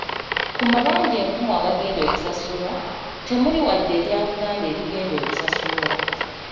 Ku mabanja enkumu agagenda okusasulwa, temuli wadde erya Buganda erigenda okusasulwa.